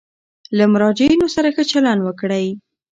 له مراجعینو سره ښه چلند وکړئ.